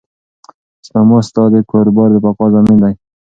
سپما ستا د کاروبار د بقا ضامن ده.